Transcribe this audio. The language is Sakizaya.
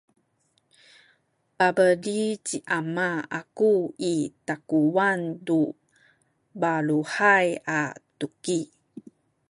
pabeli ci ama aku i takuwan tu baluhay a tuki